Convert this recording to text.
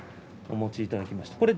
お持ちいただきました。